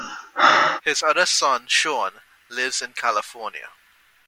His other son Sean lives in California.